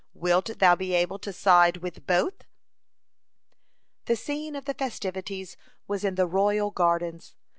Wilt thou be able to side with both?" (19) The scene of the festivities was in the royal gardens.